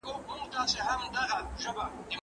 کتاب د ماشوم ذهني وړتیا زیاتوي.